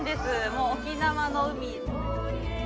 もう沖縄の海。